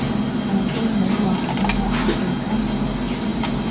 我都冇話我裸下半身